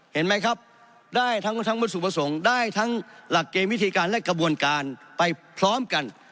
เห็นไหมครับได้ทั้งวัตถุประสงค์ได้ทั้งหลักเกณฑ์วิธีการและกระบวนการไปพร้อมกัน